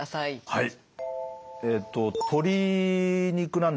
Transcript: はい。